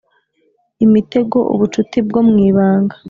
Imitego ubucuti bwo mu ibanga